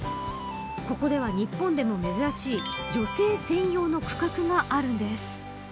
ここでは、日本でも珍しい女性専用の区画があるんです。